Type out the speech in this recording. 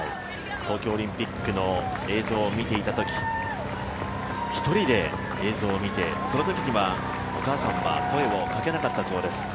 東京オリンピックの映像を見ていたとき、一人で、映像を見て、そのときにはお母さんは声をかけなかったそうです。